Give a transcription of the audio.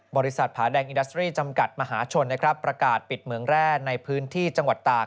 ผาแดงอินดาสตรีจำกัดมหาชนนะครับประกาศปิดเหมืองแร่ในพื้นที่จังหวัดตาก